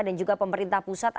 dan juga pemerintah pusat